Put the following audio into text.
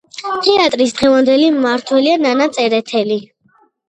თეატრის დღევანდელი მმართველია ნანა წერეთელი.